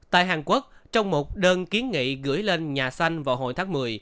tại hàn quốc trong một đơn kiến nghị gửi lên nhà xanh vào hồi tháng một mươi